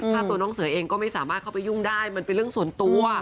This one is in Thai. ถ้าตัวน้องเสือเองก็ไม่สามารถเข้าไปยุ่งได้มันเป็นเรื่องส่วนตัว